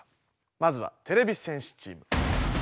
まずはてれび戦士チーム。